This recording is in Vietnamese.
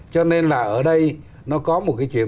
cho nên là ở đây nó có một cái chuyện